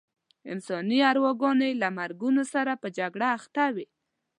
انساني ارواګانې له مرګونو سره په جګړه اخته وې.